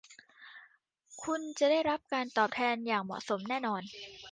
คุณจะได้รับการตอบแทนอย่างเหมาะสมแน่นอน